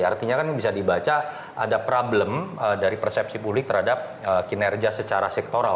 artinya kan bisa dibaca ada problem dari persepsi publik terhadap kinerja secara sektoral